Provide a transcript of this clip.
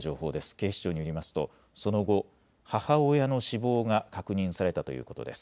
警視庁によりますとその後、母親の死亡が確認されたということです。